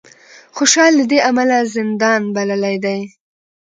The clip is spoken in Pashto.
خوشال له دې امله زندان بللی دی